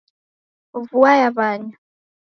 Vua yaw'anya.